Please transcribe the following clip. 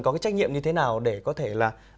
có cái trách nhiệm như thế nào để có thể là